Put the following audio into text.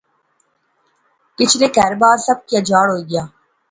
پچھے کہر بار، سب کی اُجاڑ ہو گیا